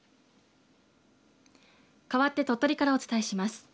かわって鳥取からお伝えします。